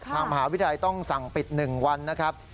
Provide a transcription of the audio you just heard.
ทางมหาวิทยาลัยต้องสั่งปิด๑วันนะครับ